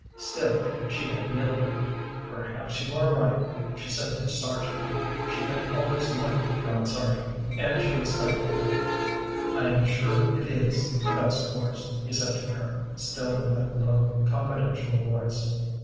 Still, she yielded. "Perhaps you are right," she said to Sargent. She had always liked John Sargent, and she respected him. "I am sure it is the best course," he said to her, still in that low, confidential voice.